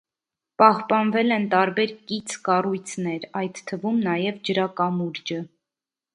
Պահպանվել են տարբեր կից կառույցներ, այդ թվում նաև ջրակամուրջը։